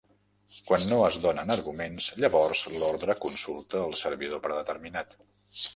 Quan no es donen arguments, llavors l'ordre consulta el servidor predeterminat.